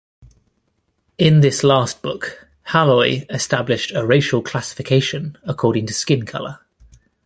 In this last book, Halloy established a racial classification according to skin colour.